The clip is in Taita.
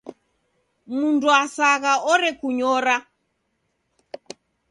Mndu wasagha orekunyora.